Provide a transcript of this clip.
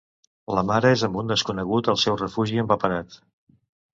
La mare és amb un desconegut al seu refugi empaperat.